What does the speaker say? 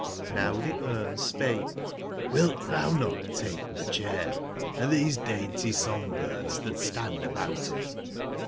f4ow tbe Gmc spake :'' ^ilt tbou not take tbe cbair & tbese dainty song/birds tbatstandabout it?